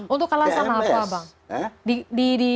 untuk alasan apa bang